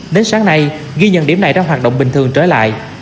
đến sáng nay ghi nhận điểm này đang hoạt động bình thường trở lại